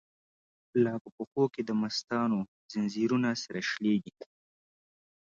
لا په پښو کی دمستانو، ځنځیرونه سره شلیږی